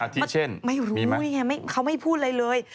ที่เช่นมีไหมไม่รู้เขาไม่พูดอะไรเลย